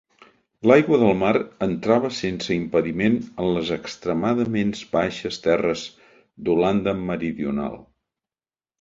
L'aigua del mar entrava sense impediment en les extremadament baixes terres d'Holanda Meridional.